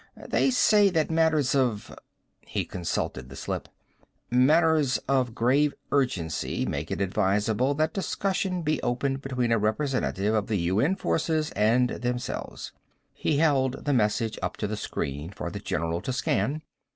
They say that matters of " He consulted the slip. " Matters of grave urgency make it advisable that discussion be opened between a representative of the UN forces and themselves." He held the message up to the screen for the general to scan.